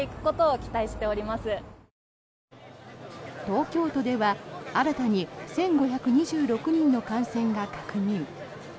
東京都では新たに１５２６人の感染が確認。